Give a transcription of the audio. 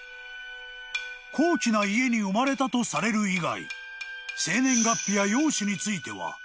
［高貴な家に生まれたとされる以外］